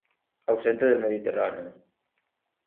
Ausente del Mediterráneo.